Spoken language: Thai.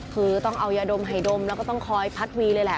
คือต้องเอายาดมให้ดมแล้วก็ต้องคอยพัดวีเลยแหละ